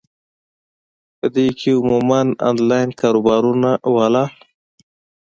پۀ دې کښې عموماً انلائن کاروبارونو واله ،